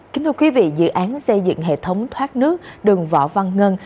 kính thưa quý vị dự án xây dựng hệ thống thoát nước đường võ văn ngân